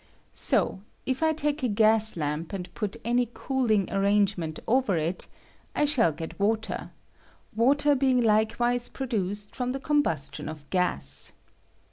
So, if I take a gas lamp, and put any cooling arrangement over it, I shall get water — water being likewise produced from the com bustion of gas.